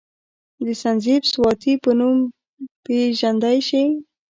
د سرنزېب سواتي پۀ نوم پ ېژندے شي،